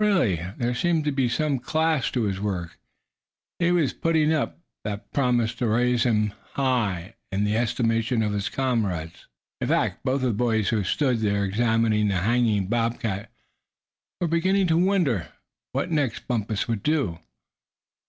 Really, there seemed to be some class to this work he was putting up, that promised to raise him high up in the estimation of his comrades. In fact, both of the boys who stood there, examining the hanging bob cat, were beginning to wonder what next Bumpus would do.